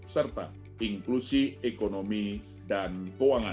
serta inklusi ekonomi dan keuangan